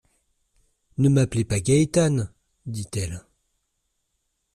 —«Ne m’appelez pas Gaétane,» dit-elle.